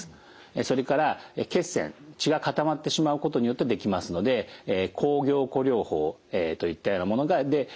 それから血栓血が固まってしまうことによってできますので抗凝固療法といったようなもので血栓ができないように予防する。